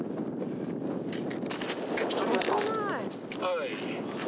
はい。